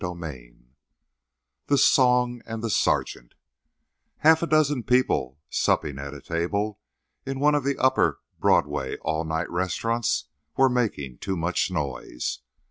XVI THE SONG AND THE SERGEANT Half a dozen people supping at a table in one of the upper Broadway all night restaurants were making too much noise.